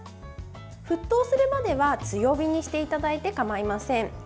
沸騰するまでは強火にしていただいて構いません。